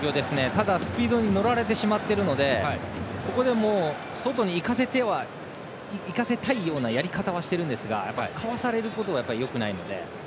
ただ、スピードに乗られてしまっているので外に行かせたいようなやり方はしていますがかわされるのはよくないので。